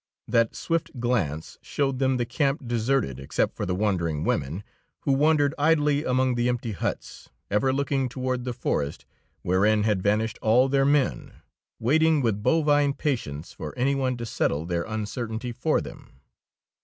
That swift glance showed them the camp deserted except for the wondering women, who wandered idly among the empty huts, ever looking toward the forest wherein had vanished all their men, waiting with bovine patience for any one to settle their uncertainty for them.